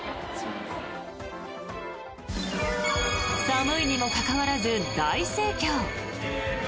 寒いにもかかわらず大盛況。